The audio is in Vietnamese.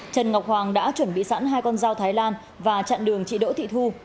trần ngọc hoàng đã chuẩn bị sẵn hai con dao thái lan và chặn đường chị đỗ thị thu